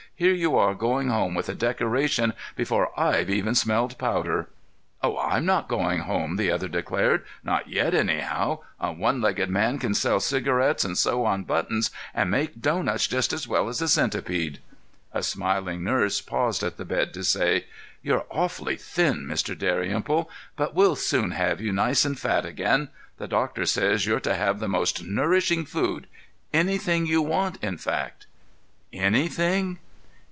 Here you are going home with a decoration before I've even smelled powder." "Oh, I'm not going home," the other declared. "Not yet, anyhow. A one legged man can sell cigarettes and sew on buttons and make doughnuts just as well as a centipede." A smiling nurse paused at the bed to say: "You're awfully thin, Mr. Dalrymple, but we'll soon have you nice and fat again. The doctor says you're to have the most nourishing food—anything you want, in fact." "'_Anything?